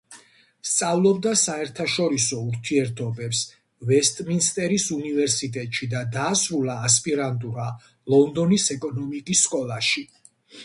სწავლობდა საერთაშორისო ურთიერთობებს ვესტმინსტერის უნივერსიტეტში და დაასრულა ასპირანტურა ლონდონის ეკონომიკის სკოლაში.